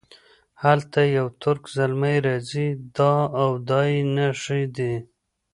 هلته یو ترک زلمی راځي دا او دا یې نښې دي.